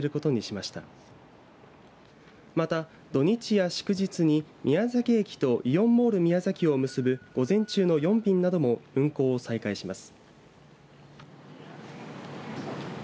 また、土日や祝日に宮崎駅とイオンモール宮崎を結ぶ午前中の４便なども運行を再開します。